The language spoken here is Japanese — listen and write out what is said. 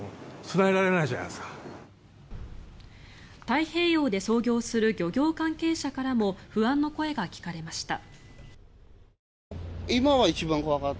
太平洋で操業する漁業関係者からも不安の声が聞かれました。